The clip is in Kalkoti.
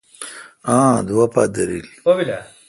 اہ دوہ پہ درل۔